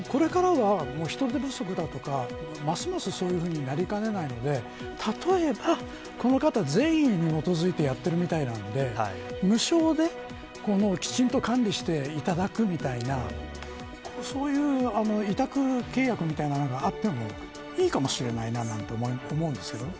これからは人手不足だとかますますそういうふうになりかねないので例えばこの方、善意に基づいてやっているみたいなんで無償できちんと管理していただくみたいなそういう委託契約みたいなのがあってもいいかもしれないなんて思うんですけどね。